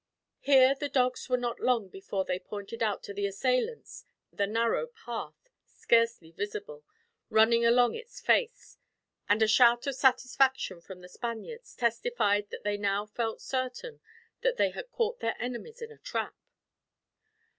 Here the dogs were not long before they pointed out to the assailants the narrow path, scarce visible, running along its face; and a shout of satisfaction from the Spaniards testified that they now felt certain that they had caught their enemies in a trap.